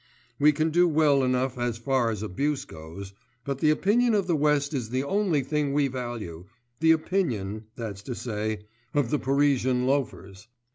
We can do well enough as far as abuse goes, but the opinion of the West is the only thing we value, the opinion, that's to say, of the Parisian loafers....